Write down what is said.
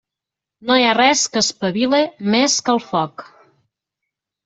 No hi ha res que espavile més que el foc.